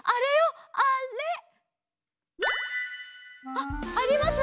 あっあります？